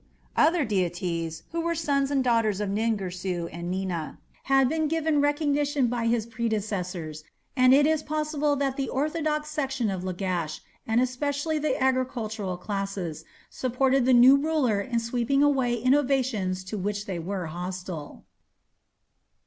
Other deities, who were sons and daughters of Nin Girsu and Nina, had been given recognition by his predecessors, and it is possible that the orthodox section of Lagash, and especially the agricultural classes, supported the new ruler in sweeping away innovations to which they were hostile.